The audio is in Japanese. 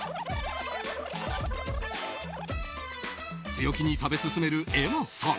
強気に食べ進める瑛茉さん。